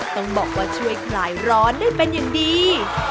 ต้องบอกว่าช่วยคลายร้อนได้เป็นอย่างดี